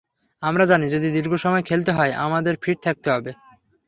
আমরা জানি, যদি দীর্ঘ সময় খেলতে হয়, আমাদের ফিট থাকতে হবে।